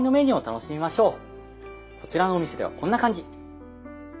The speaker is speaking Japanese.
こちらのお店ではこんな感じ。